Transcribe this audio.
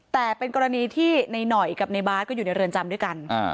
แต่เป็นกรณีที่ในหน่อยกับในบาร์ดก็อยู่ในเรือนจำด้วยกัน